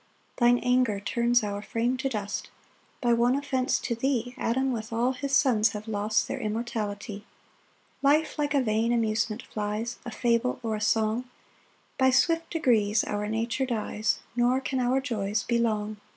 2 Thine anger turns our frame to dust; By one offence to thee Adam with all his sons have lost Their immortality. 3 Life like a vain amusement flies, A fable or a song; By swift degrees our nature dies, Nor can our joys be long.